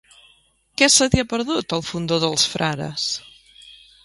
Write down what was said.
Què se t'hi ha perdut, al Fondó dels Frares?